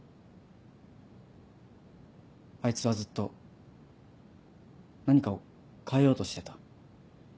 あいつはずっと何かを変えようとしてた。